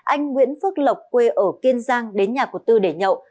anh nguyễn phước lộc quê ở kiên giang đến nhà của tư để nhậu